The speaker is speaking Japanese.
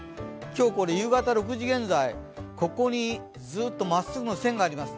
今日夕方６時、現在、ここにずっと真っすぐの線があります。